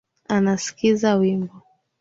Anaskiza wimbo